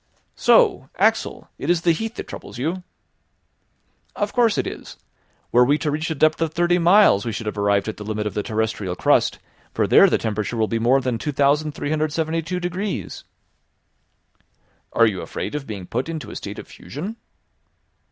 "So, Axel, it is the heat that troubles you?" "Of course it is. Were we to reach a depth of thirty miles we should have arrived at the limit of the terrestrial crust, for there the temperature will be more than 2372 degrees." "Are you afraid of being put into a state of fusion?"